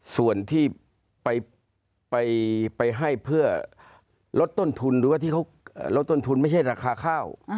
ส่วนที่ไปให้เพื่อลดต้นทุนหรือว่าที่เขาลดต้นทุนไม่ใช่ราคาข้าว